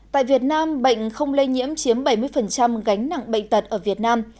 tại việt nam bệnh không lây nhiễm chiếm bảy mươi gánh nặng bệnh tật ở việt nam